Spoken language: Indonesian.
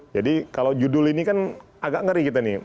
jadi kalau judul ini kan agak ngeri gitu nih